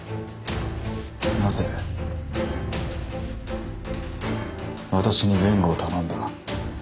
なぜ私に弁護を頼んだ？